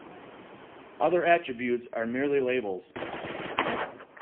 Other attributes are merely labels.